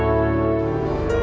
terima kasih bu